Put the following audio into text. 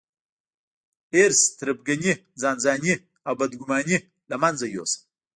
حرص، تربګني، ځانځاني او بدګوماني له منځه يوسم.